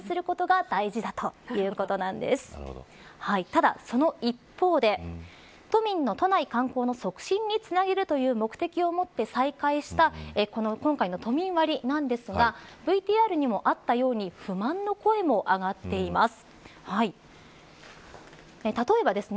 ただ、その一方で都民の都内観光の促進につなげるという目的を持って再開した今回の都民割なんですがＶＴＲにもあったように不満の声も上がっています。